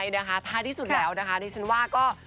ไงนะคะที่สุดแล้วนะคะนี่ฉันว่าก็